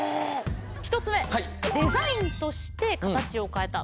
１つ目デザインとして形を変えた。